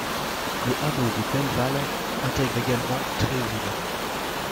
Le hameau de Belval intègre également Tréauville.